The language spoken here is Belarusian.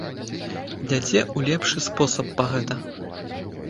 Ідзяце ў лепшы спосаб па гэта.